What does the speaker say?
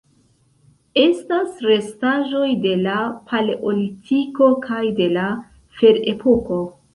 Estas restaĵoj de la Paleolitiko kaj de la Ferepoko.